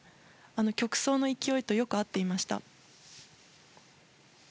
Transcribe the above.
曲想の勢いとよく合っていました。